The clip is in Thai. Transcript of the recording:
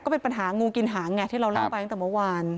เป็นปัญหางูกินหางไงที่เราเล่าไปตั้งแต่เมื่อวาน